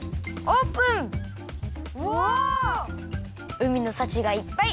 うみのさちがいっぱい！